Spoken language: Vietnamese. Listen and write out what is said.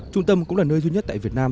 trung tâm cũng là nơi duy nhất tại việt nam